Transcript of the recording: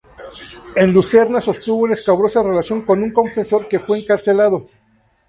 En Lucena, sostuvo una escabrosa relación con un confesor, que fue encarcelado.